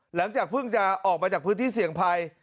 หลังจากเพิ่งจะออกมาจากพื้นที่เสี่ยงภัย